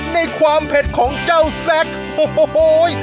ในความเผ็ดของเจ้าแซคโฮ้โฮ้โฮ้ย